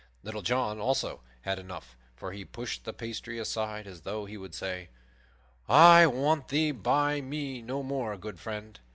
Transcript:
Little John, also, had enough, for he pushed the pasty aside, as though he would say, "I want thee by me no more, good friend."